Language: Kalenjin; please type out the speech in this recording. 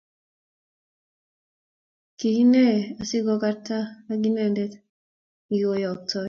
Kiine asigoyokta agitainendet nigitayoktoi